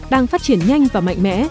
đang phát triển nhanh và mạnh mẽ